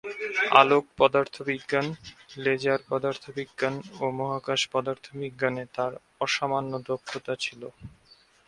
আলোক পদার্থবিজ্ঞান, লেজার পদার্থবিজ্ঞান ও মহাকাশ পদার্থবিজ্ঞানে তাঁর অসামান্য দক্ষতা ছিল।